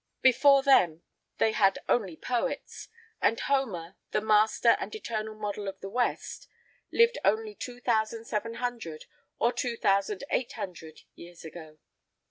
Before them they had only poets; and Homer, the master and eternal model of the west, lived only two thousand seven hundred, or two thousand eight hundred, years ago.